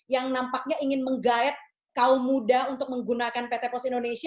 yang nampaknya ingin menggayat kaum muda untuk menggunakan pt pos indonesia